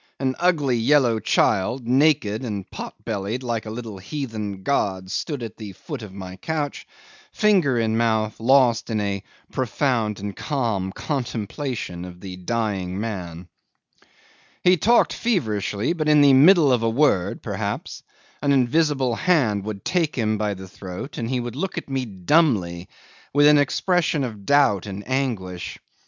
An ugly yellow child, naked and pot bellied like a little heathen god, stood at the foot of the couch, finger in mouth, lost in a profound and calm contemplation of the dying man. 'He talked feverishly; but in the middle of a word, perhaps, an invisible hand would take him by the throat, and he would look at me dumbly with an expression of doubt and anguish.